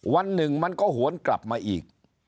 วันหนึ่งมันก็หวนกลับมาอีก